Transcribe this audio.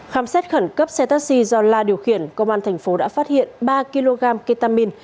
khám xét khẩn cấp xe taxi do la điều khiển công an thành phố đã phát hiện ba kg ketamine